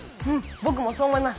ぼくもそう思います。